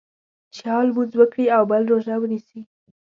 چې یو لمونځ وکړي او بل روژه ونیسي.